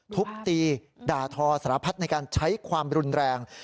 ทุบตีด่าทอสารพัฒน์ในการใช้ความรุนแรง